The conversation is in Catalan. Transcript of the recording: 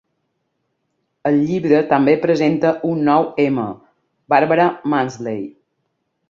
El llibre també presenta un nou M, Barbara Mawdsley.